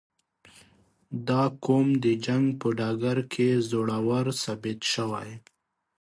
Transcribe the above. • دا قوم د جنګ په ډګر کې زړور ثابت شوی.